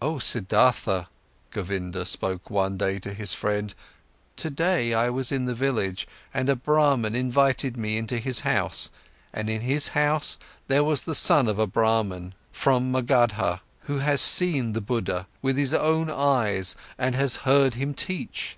"Oh Siddhartha," Govinda spoke one day to his friend. "Today, I was in the village, and a Brahman invited me into his house, and in his house, there was the son of a Brahman from Magadha, who has seen the Buddha with his own eyes and has heard him teach.